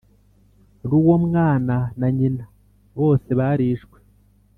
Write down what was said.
ruwo mwana na nyina bose barishwe